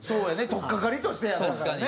とっかかりとしてやったからね。